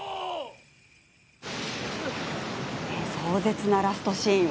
壮絶なラストシーン